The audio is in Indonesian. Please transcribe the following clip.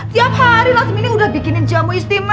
tiap hari lasmini udah bikinin jamu istimewa